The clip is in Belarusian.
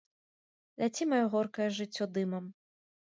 Ляці, маё горкае жыццё, дымам!